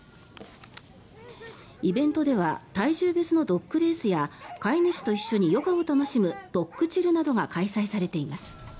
イベントでは体重別のドッグレースや飼い主と一緒にヨガを楽しむドッグチルなどが開催されています。